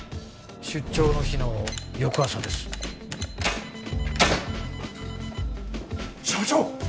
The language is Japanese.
出張の日の翌朝です社長！